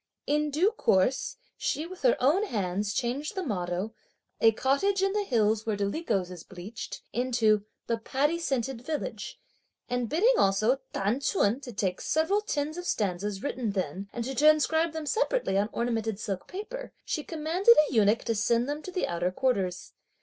In due course, she with her own hands changed the motto "a cottage in the hills where dolichos is bleached" into "the paddy scented village;" and bidding also T'an Ch'un to take the several tens of stanzas written then, and to transcribe them separately on ornamented silk paper, she commanded a eunuch to send them to the outer quarters.